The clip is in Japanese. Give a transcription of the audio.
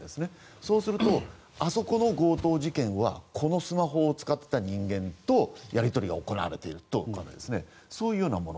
そうすると、あそこの強盗事件はこのスマホを使っていた人間とやり取りが行われていたとかそういうようなもの。